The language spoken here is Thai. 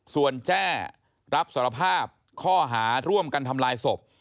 ส่วนแจ้รับสารภาพข้อหาร่วมกันทำลายศพ